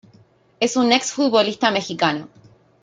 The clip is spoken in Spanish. Es un ex-futbolista mexicano.